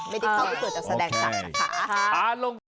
ไม่ได้เข้าไปเกิดจากแสดงสัตว์นะคะ